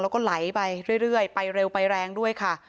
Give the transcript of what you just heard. แล้วก็ไหลไปเรื่อยไปเร็วไปแรงด้วยค่ะ